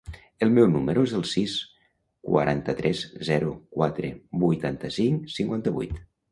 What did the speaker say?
El meu número es el sis, quaranta-tres, zero, quatre, vuitanta-cinc, cinquanta-vuit.